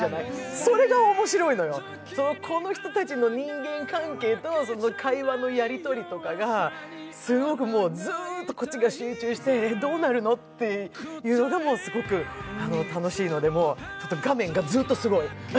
それが面白いのよ、この人たちの人間関係と会話のやり取りとかがすごくずーっとこっちが集中してどうなるの？っていうのが、すごく楽しいので、画面がずっとすごい。